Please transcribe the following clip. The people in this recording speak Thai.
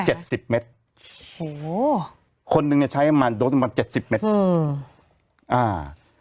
เจ็ดสิบเมตรโอ้โหคนหนึ่งเนี้ยใช้มันโดดมันเจ็ดสิบเมตรอืมอ่า